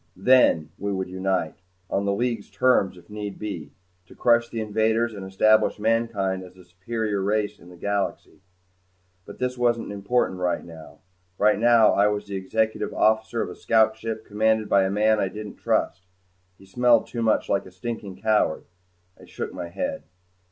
Then we would unite on the League's terms if need be to crush the invaders and establish mankind as the supreme race in the galaxy. But this wasn't important right now. Right now I was the Executive Officer of a scout ship commanded by a man I didn't trust. He smelled too much like a stinking coward. I shook my head.